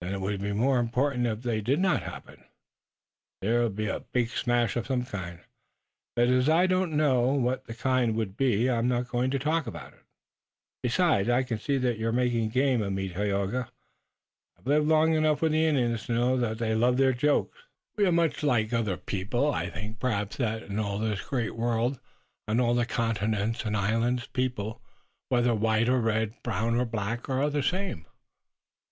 "Then it would be more important if they did not happen?" "There'd be a big smash of some kind, but as I don't know what the kind would be I'm not going to talk about it. Besides, I can see that you're making game of me, Tayoga. I've lived long enough with Indians to know that they love their joke." "We are much like other people. I think perhaps that in all this great world, on all the continents and islands, people, whether white or red, brown or black, are the same."